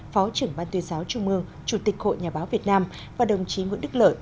phó trưởng ban tuyên giáo trung mương chủ tịch hội nhà báo việt nam và đồng chí nguyễn đức lợi